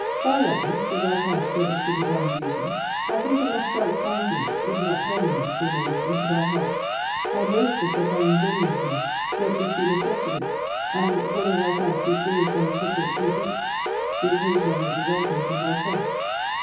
Try, Lovelace, if thou canst relish a Divine beauty. I think it must strike transient (if not permanent) remorse into thy heart. Thou boastest of thy ingenuousness: let this be the test of it; and whether thou canst be serious on a subject too deep, the occasion of it resulting from thyself.